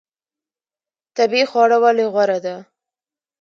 طبیعي خواړه ولې غوره دي؟